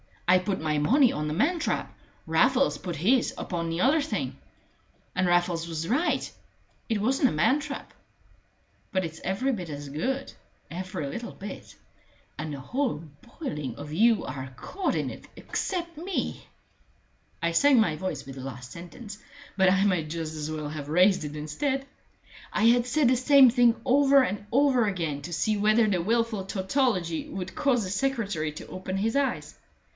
I put my money on the man trap. Raffles put his upon the other thing. And Raffles was right it wasn't a man trap. But it's every bit as good every little bit and the whole boiling of you are caught in it except me!" I sank my voice with the last sentence, but I might just as well have raised it instead. I had said the same thing over and over again to see whether the wilful tautology would cause the secretary to open his eyes.